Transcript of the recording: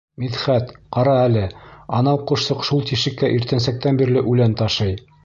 Мидхәт, ҡара әле, анау ҡошсоҡ шул тишеккә иртәнсәктән бирле үлән ташый.